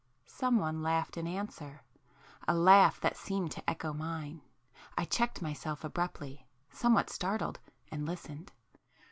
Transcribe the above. Some one laughed in answer,—a laugh that seemed to echo mine. I checked myself abruptly, somewhat startled, and listened.